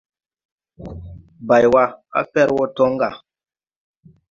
Baywa, a fer wo toŋ ga.